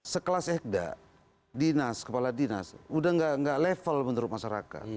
sekelas ekda dinas kepala dinas udah nggak level menurut masyarakat